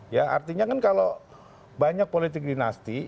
ya artinya kan kalau banyak politik dinasti